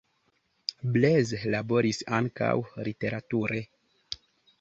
Blaise laboris ankaŭ literature.